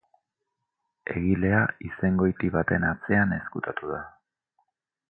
Egilea izengoiti baten atzean ezkutatu da.